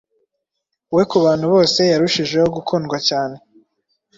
We kubantu bose yarushijeho gukundwa cyane